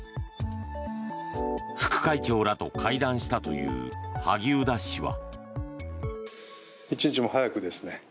副会長らと会談したという萩生田氏は。